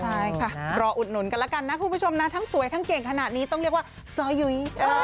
ใช่ค่ะรออุดหนุนกันแล้วกันนะคุณผู้ชมนะทั้งสวยทั้งเก่งขนาดนี้ต้องเรียกว่าซ้อยุ้ย